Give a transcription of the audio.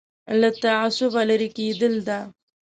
له تعصبه لرې کېدل ده.